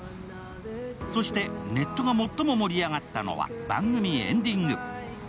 そして、ネットが最も盛り上がったのは番組エンディング。